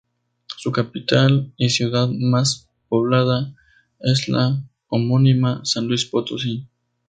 Su capital y ciudad más poblada es la homónima San Luis Potosí.